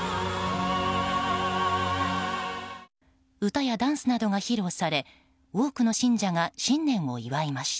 歌やダンスなどが披露され多くの信者が新年を祝いました。